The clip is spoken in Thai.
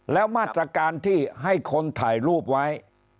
แล้วมาตรการที่ให้คนถ่ายรูปไว้